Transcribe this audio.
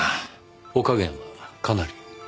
お加減はかなり？